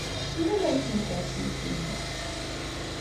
I lemmer ad kem-ikerrec uydi-nni?